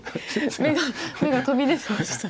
目が飛び出てました。